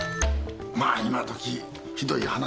まあ今どきひどい話ですな。